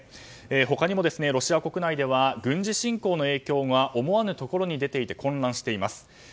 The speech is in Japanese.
他にもロシア国内では軍事侵攻の影響が思わぬところに出ていて混乱しています。